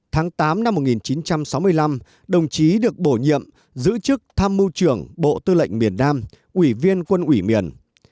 tháng tám năm một nghìn chín trăm sáu mươi năm đồng chí được bổ nhiệm giữ chức tham mưu trưởng bộ tư lệnh miền nam ủy viên quân ủy miền